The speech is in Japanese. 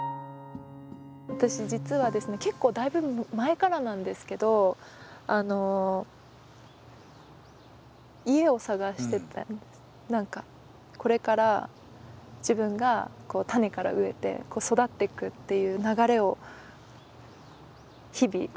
私実はですね結構だいぶ前からなんですけどあの何かこれから自分が種から植えてをずっと前から探してて。